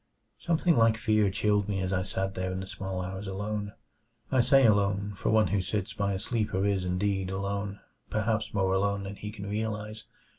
Something like fear chilled me as I sat there in the small hours alone I say alone, for one who sits by a sleeper is indeed alone; perhaps more alone than he can realize.